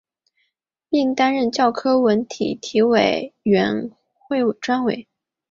并担任教科文卫体委员会专委。